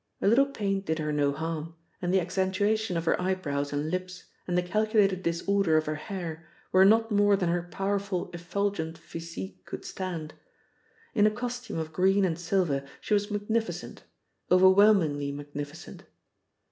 A little paint did her no harm, and the accentuation of her eyebrows and lips and the calculated disorder of her hair were not more than her powerful effulgent physique could stand. In a costume of green and silver she was magnificent, overwhelmingly magnificent.